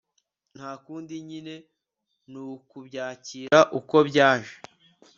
ntakundi nyine nukubyakira uko byaje!